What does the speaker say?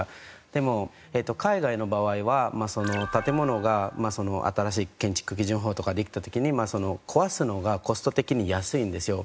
でも海外の場合は建ものが新しい建築基準法とかできた時に壊すのがコスト的に安いんですよ。